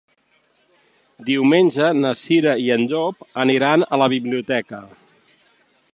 Diumenge na Cira i en Llop aniran a la biblioteca.